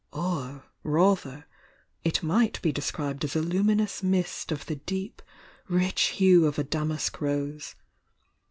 Or, rather, it might be described as a luminous mist of the deep, rich hue of a damask rose.